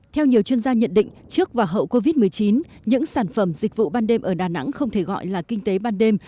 theo nhiều chuyên gia nhận định trước và hậu covid một mươi chín những sản phẩm dịch vụ ban đêm ở đà nẵng không thể gọi là kinh tế ban đêm